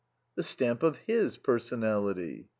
"The stamp of his personality."